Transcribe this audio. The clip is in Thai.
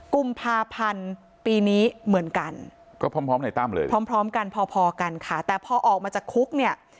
กุมภาพันธ์ปีนี้เหมือนกันพร้อมกันพอกันค่ะแต่พอออกมาจากคุกเนี่ย